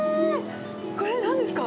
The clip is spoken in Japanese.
これ、なんですか？